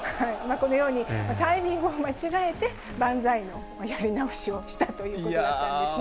このように、タイミングを間違えて、万歳のやり直しをしたということだったんですね。